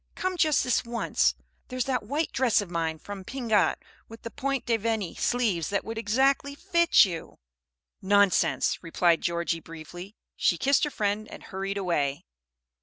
Come, just this once. There's that white dress of mine from Pingat, with the Point de Venie sleeves, that would exactly fit you." "Nonsense!" replied Georgie, briefly. She kissed her friend and hurried away.